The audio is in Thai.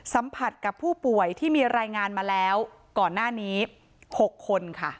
สัมผัสกับผู้ป่วยที่มีรายงานมาแล้วก่อนหน้านี้๖คนค่ะ